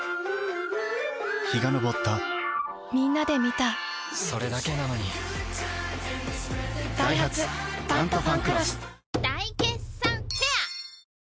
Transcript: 陽が昇ったみんなで観たそれだけなのにダイハツ「タントファンクロス」大決算フェア